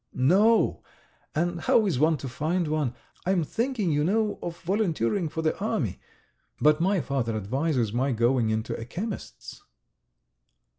"No. And how is one to find one? I am thinking, you know, of volunteering for the army. But my father advises my going into a chemist's."